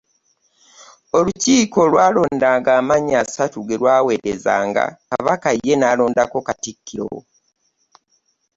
Olukiiko lwalondanga amannya asatu ge lwaweerezanga Kabaka ye n’alondako Katikkiro.